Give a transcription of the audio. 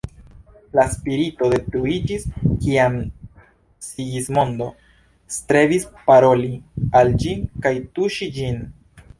La spirito detruiĝis kiam Sigismondo strebis paroli al ĝi kaj tuŝi ĝin.